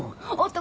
男。